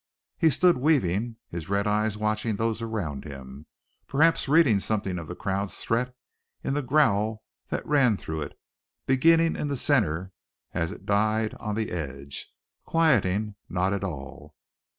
He stood weaving, his red eyes watching those around him, perhaps reading something of the crowd's threat in the growl that ran through it, beginning in the center as it died on the edge, quieting not at all.